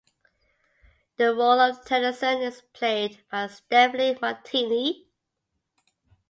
The role of Tennison is played by Stefanie Martini.